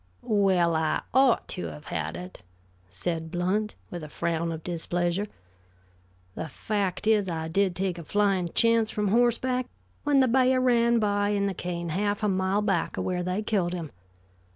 "Well, I ought to have had it," said Blount, with a frown of displeasure. "The fact is, I did take a flying chance from horseback, when the ba'h ran by in the cane half a mile back of where they killed him.